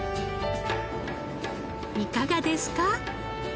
いかがですか？